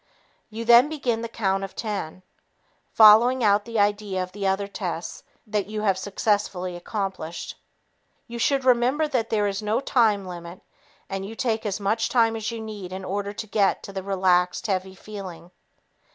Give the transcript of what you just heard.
You then begin the count of ten, following out the idea of the other tests you have successfully accomplished. You should remember that there is no time limit and you take as much time as you need in order to get the relaxed, heavy feeling.